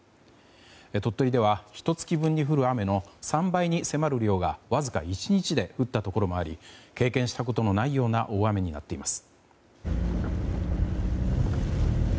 鳥取ではひと月分に降る量の３倍の量がわずか１日で降ったところもあり経験したことのないような大雨になっています。